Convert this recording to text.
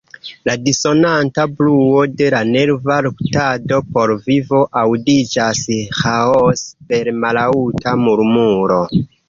La dissonanta bruo de la nerva luktado por vivo aŭdiĝas ĥaose per mallaŭta murmuro.